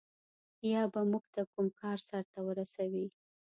یا به موږ ته کوم کار سرته ورسوي.